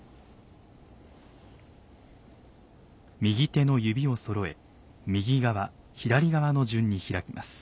右手の指をそろえ右側左側の順に開きます。